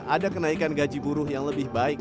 ada kenaikan gaji buruh yang lebih baik